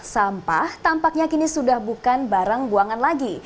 sampah tampaknya kini sudah bukan barang buangan lagi